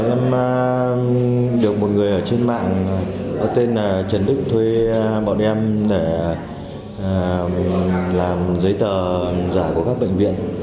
em được một người ở trên mạng tên trần đức thuê bọn em để làm giấy tờ giải của các bệnh viện